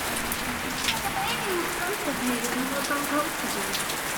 The baby was constipated and was uncomfortable.